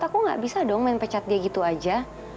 aku gak bisa dong main pecat dia gitu aja